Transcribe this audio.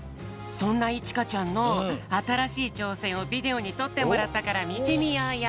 そんないちかちゃんのあたらしいちょうせんをビデオにとってもらったからみてみようよ。